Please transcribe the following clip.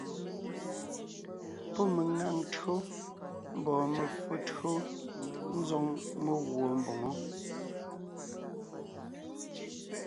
Pɔ́ meŋaŋ tÿǒ mbɔɔ me[o tÿǒ ńzoŋ meguɔ mboŋó.